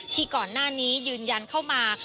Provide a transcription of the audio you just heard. ที่ก่อนหน้านี้ยืนยันเข้ามา